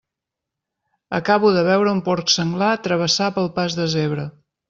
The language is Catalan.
Acabo de veure un porc senglar travessar pel pas de zebra.